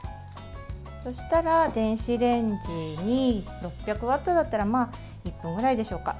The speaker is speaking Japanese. そうしたら、電子レンジに６００ワットだったら１分ぐらいでしょうか。